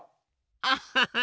アッハハ！